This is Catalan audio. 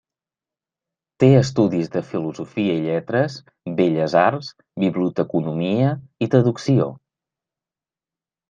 Té estudis de Filosofia i lletres, belles arts, biblioteconomia i traducció.